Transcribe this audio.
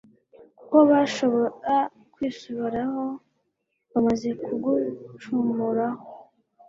kuko bashobora kwisubiraho, bamaze kugucumuraho